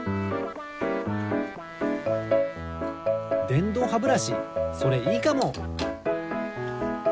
でんどうハブラシそれいいかも！